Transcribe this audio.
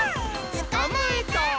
「つかまえた！」